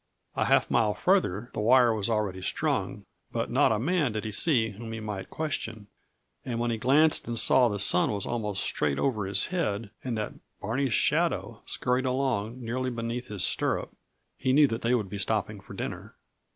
A half mile farther the wire was already strung, but not a man did he see whom he might question and when he glanced and saw that the sun was almost straight over his head and that Barney's shadow scurried along nearly beneath his stirrup, he knew that they would be stopping for dinner.